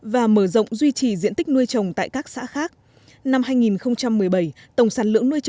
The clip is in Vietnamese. và mở rộng duy trì diện tích nuôi trồng tại các xã khác